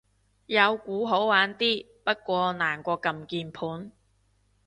有鼓好玩啲，不過難過撳鍵盤